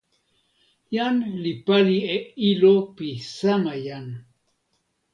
jan li pali e ilo pi sama jan.